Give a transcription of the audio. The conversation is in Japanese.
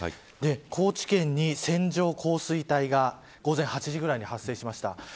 高知県に線状降水帯が午前８時ぐらいに発生しました。